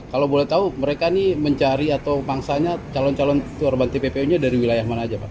kalau boleh tahu mereka ini mencari atau pangsanya calon calon turban tppu nya dari wilayah mana aja pak